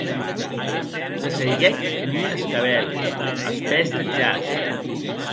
Se seiguec en un escabèl, as pès deth jaç.